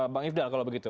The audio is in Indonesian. bang ifdal kalau begitu